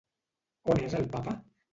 On és el Papa?